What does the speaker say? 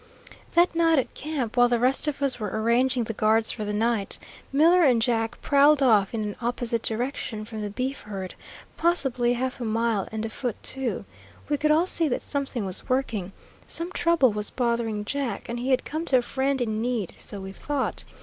That night at camp, while the rest of us were arranging the guards for the night, Miller and Jack prowled off in an opposite direction from the beef herd, possibly half a mile, and afoot, too. We could all see that something was working. Some trouble was bothering Jack, and he had come to a friend in need, so we thought.